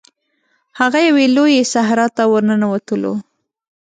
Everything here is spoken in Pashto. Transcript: هغه یوې لويي صحرا ته ورننوتلو.